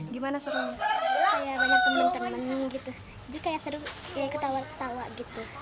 dia kayak seru ketawa ketawa gitu